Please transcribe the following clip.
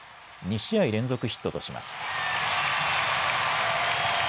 ２試合連続ヒットとします。